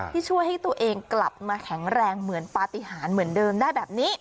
ที่ช่วยให้ตัวเองกลับมาแข็งแรงเหมือนปฏิหารเหมือนเดิมได้แบบนี้